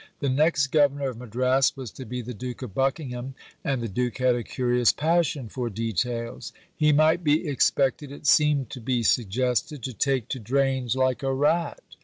The next Governor of Madras was to be the Duke of Buckingham, and the Duke had a curious passion for details. He might be expected, it seemed to be suggested, to take to drains like a rat.